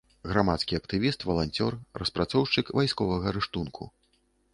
Грамадскі актывіст, валанцёр, распрацоўшчык вайсковага рыштунку.